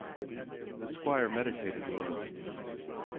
The Squire meditated a little.